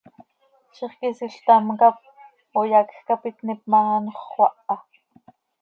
Zixquisiil ctam cap oyacj cap itníp ma, anxö xöaha.